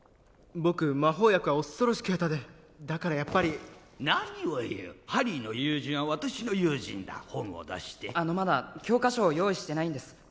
僕魔法薬は恐ろしく下手でだからやっぱり何を言うハリーの友人は私の友人だ本を出してあのまだ教科書を用意してないんです